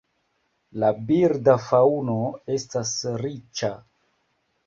La birda faŭno estas riĉa.